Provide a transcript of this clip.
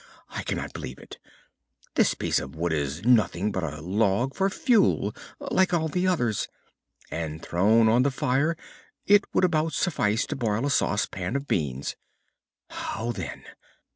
I cannot believe it. This piece of wood is nothing but a log for fuel like all the others, and thrown on the fire it would about suffice to boil a saucepan of beans. How then?